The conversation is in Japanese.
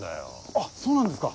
あっそうなんですか。